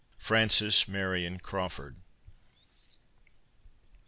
FRANCIS MARION CRAWFORD.